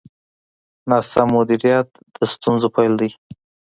ناسم مدیریت د ستونزو پیل دی.